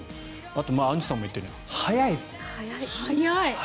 あとアンジュさんも言ったように速いですね。